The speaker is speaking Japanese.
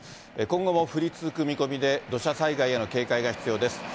今後も降り続く見込みで、土砂災害への警戒が必要です。